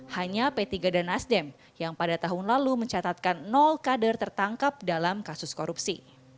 hanya p tiga dan nasdem yang pada tahun lalu mencatatkan kader tertangkap dalam kasus korupsi